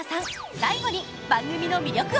最後に番組の魅力をどうぞ！